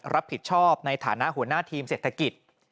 รับผิดชอบในฐานะหัวหน้าทีมเศรษฐกิจ